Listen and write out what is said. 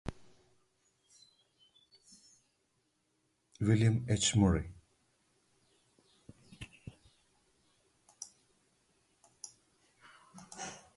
William H. Murray.